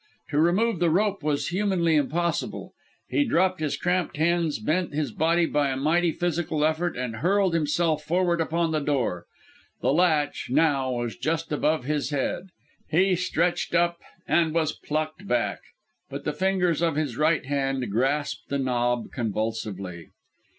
To remove the rope was humanly impossible. He dropped his cramped hands, bent his body by a mighty physical effort, and hurled himself forward upon the door. The latch, now, was just above his head. He stretched up ... and was plucked back. But the fingers of his right hand grasped the knob convulsively.